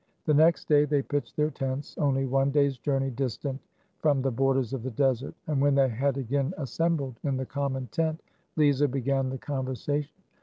The next day they pitched their tents only one day's journey distant from the borders of the desert. And when they had again assembled in the common tent, Lezah began the conversa tion.